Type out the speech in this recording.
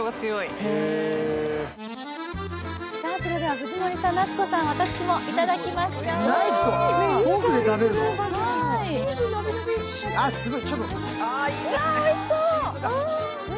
藤森さん、夏子さん、私もいただきましょう。